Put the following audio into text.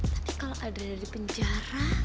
tapi kalau ada di penjara